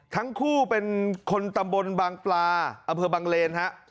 ทั้งคู่เป็นคนตำบลบางปลาอำเภอบางเลนฮะ